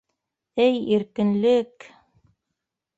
Эй иркенлек!